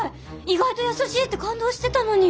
意外と優しいって感動してたのに！